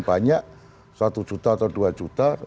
banyak satu juta atau dua juta